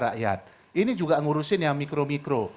rakyat ini juga ngurusin yang mikro mikro